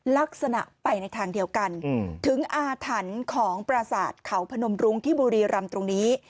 ลักษณะไปในทางเดียวกันถึงอาถรรพ์ของปราศาสตร์เขาพนมรุ้งที่บุรีรำตรงนี้